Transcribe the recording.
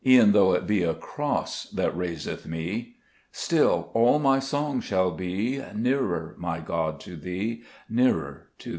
E'en though it be a cross That raiseth me ; Still all my song shall be, Nearer, my God, to Thee, Nearer to Thee